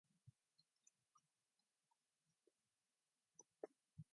I, who have valued myself on my abilities!